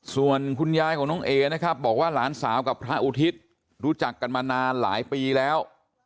ส่วนคุณยายของน้องเอนะครับบอกว่าหลานสาวกับพระอุทิศรู้จักกันมานานหลายปีแล้ว